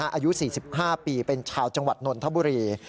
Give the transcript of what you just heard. อายุ๔๕ปีเป็นชาวจังหวัดนนทบุรี